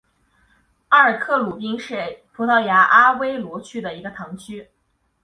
阿尔克鲁宾是葡萄牙阿威罗区的一个堂区。